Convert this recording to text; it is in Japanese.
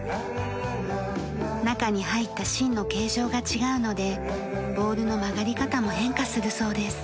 中に入った芯の形状が違うのでボールの曲がり方も変化するそうです。